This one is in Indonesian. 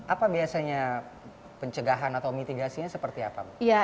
apa biasanya pencegahan atau mitigasinya seperti apa